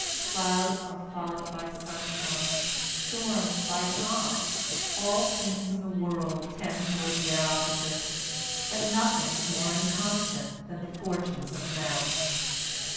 Clouds are followed by sunshine, storms by calm, all things in the world tend toward their opposites, and nothing is more inconstant than the fortunes of man."